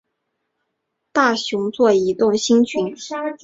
大熊座移动星群